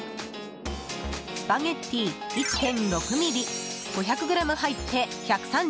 スパゲッティ１６ｍｍ５００ｇ入って１３８円。